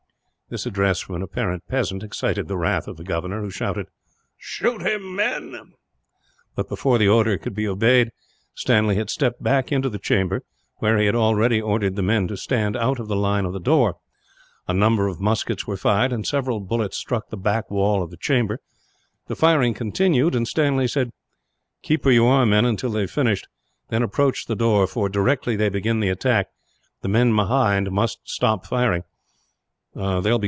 This address from an apparent peasant excited the wrath of the governor, who shouted: "Shoot him, men!" But before the order could be obeyed, Stanley had stepped back into the chamber, where he had already ordered the men to stand out of the line of the door. A number of muskets were fired, and several bullets struck the back wall of the chamber. The firing continued, and Stanley said: "Keep where you are, men, until they have finished; then approach the door for, directly they begin the attack, the men behind must stop firing.